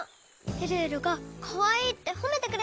えるえるがかわいいってほめてくれたのよ。